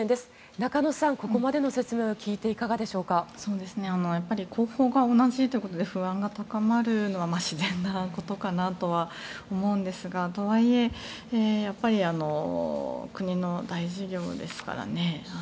中野さん、ここまでの説明工法が同じということで不安が高まるのは自然なことかと思うんですがとはいえ国の大事業ですからね。